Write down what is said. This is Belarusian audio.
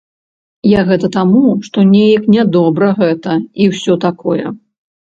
Я гэта таму, што неяк не добра гэта і ўсё такое.